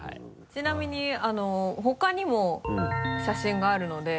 ちなみに他にも写真があるので。